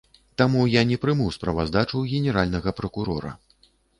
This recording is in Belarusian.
Таму я не прыму справаздачу генеральнага пракурора.